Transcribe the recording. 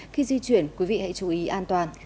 khi di chuyển quý vị hãy chú ý an toàn